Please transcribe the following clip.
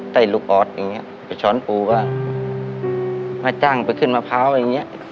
ใส่ลูกออสอย่างเงี้ยก็ช้อนปูบ้างมาจ้างไปขึ้นมะพร้าวอย่างเงี้ย